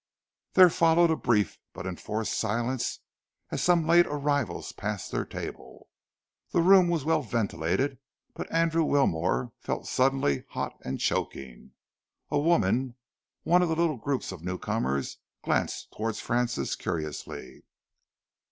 There followed a brief but enforced silence as some late arrivals passed their table. The room was well ventilated but Andrew Wilmore felt suddenly hot and choking. A woman, one of the little group of newcomers, glanced towards Francis curiously.